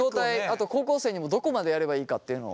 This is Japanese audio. あと高校生にもどこまでやればいいかっていうのを。